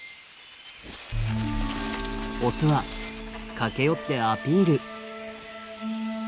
オスは駆け寄ってアピール。